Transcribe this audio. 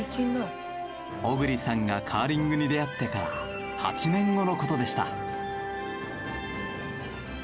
小栗さんがカーリングに出会ってから８年後の事でした。